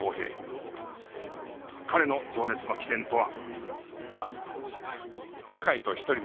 彼の情熱の起点とは？